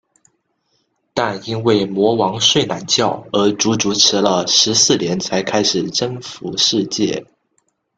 但因为魔王睡懒觉而足足迟了十四年才开始征服世界。